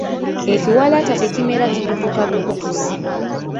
Ekiwalaata tekimera kikutuka bukutusi.